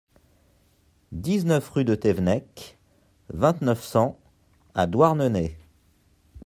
dix-neuf rue de Tevennec, vingt-neuf, cent à Douarnenez